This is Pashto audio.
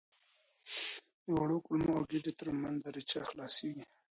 د وړو کولمو او ګیدې تر منځ دریڅه خلاصه کېږي.